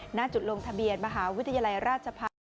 หน้าจุดลงทะเบียนมหาวิทยาลัยราชพัฒน์